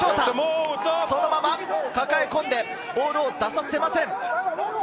そのまま抱え込んでボールを出させません。